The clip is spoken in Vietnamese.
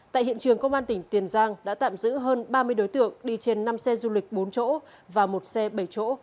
tại hiện trường công an tỉnh tiền giang đã tạm giữ hơn ba mươi đối tượng đi trên năm xe du lịch bốn chỗ và một xe bảy chỗ